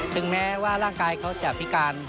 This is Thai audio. ถึงแม้ว่าร่างกายเขาจะพิการ